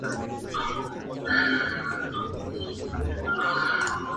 Interesada por la literatura, se puso en contacto con varias editoriales.